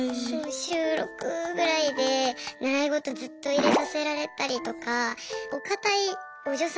週６ぐらいで習い事ずっと入れさせられたりとかお堅いお嬢様